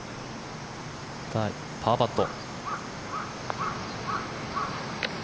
パーパット。